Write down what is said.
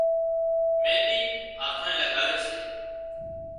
مينۮِي هاٿانئي لڳاوي سي